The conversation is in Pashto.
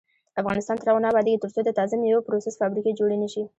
افغانستان تر هغو نه ابادیږي، ترڅو د تازه میوو پروسس فابریکې جوړې نشي.